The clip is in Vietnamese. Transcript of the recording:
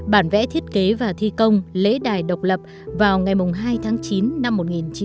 bản vẽ thiết kế và thi công lễ đài độc lập vào ngày hai tháng chín năm một nghìn chín trăm bảy mươi năm